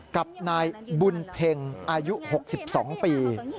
กับนายบุญเพ็งอายุ๖๒ปี